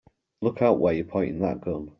Look out where you're pointing that gun!